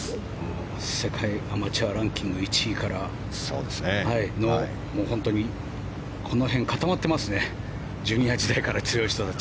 世界アマチュアランキング１位からの本当にこの辺、固まってますね。